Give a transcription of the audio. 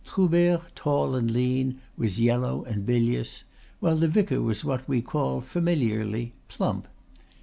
Troubert, tall and lean, was yellow and bilious, while the vicar was what we call, familiarly, plump.